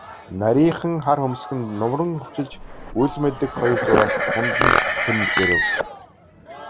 Нарийхан хар хөмсөг нь нумран хөвчилж, үл мэдэг хоёр зураас духанд нь тэмдгэрэв.